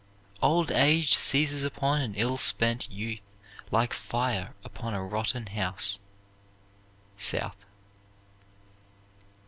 Old age seizes upon an ill spent youth like fire upon a rotten house. SOUTH.